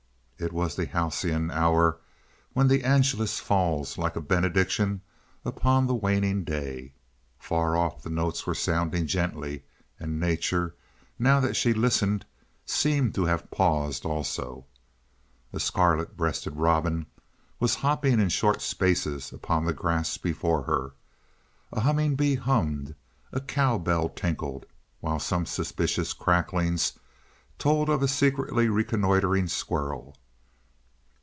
It was that halcyon hour when the Angelus falls like a benediction upon the waning day. Far off the notes were sounding gently, and nature, now that she listened, seemed to have paused also. A scarlet breasted robin was hopping in short spaces upon the grass before her. A humming bee hummed, a cow bell tinkled, while some suspicious cracklings told of a secretly reconnoitering squirrel.